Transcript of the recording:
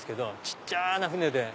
小っちゃな舟で。